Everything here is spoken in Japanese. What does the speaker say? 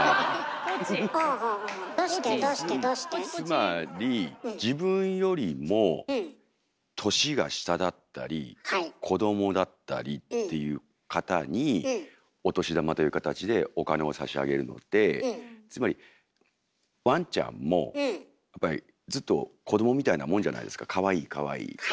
つまり自分よりも年が下だったり子どもだったりっていう方にお年玉という形でお金を差し上げるのでつまりワンちゃんもやっぱりずっと子どもみたいなもんじゃないですかかわいいかわいい。